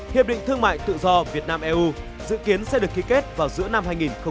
hiệp định thương mại tự do việt nam eu dự kiến sẽ được ký kết vào giữa năm hai nghìn một mươi chín